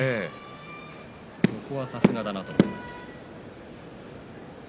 そこがさすがだと思いますね。